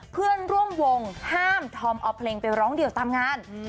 เพื่อนร่วมวงห้ามธอมเอาเพลงไปร้องเดี่ยวตามงาน